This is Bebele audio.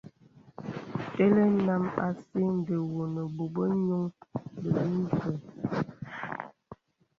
Tə̀lə nàm àsi nde wô ne bobə̄ yūŋ bəli nzə.